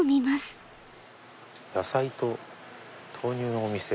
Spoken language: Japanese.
「野菜と豆乳のお店」。